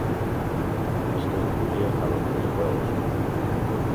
Esto incluye a los videojuegos.